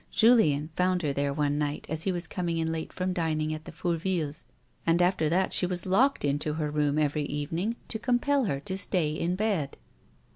Julien found her there one night as he was coming in late from dining at the Fourvilles, and after that she was locked into her room every evening to compel her to stay in bed.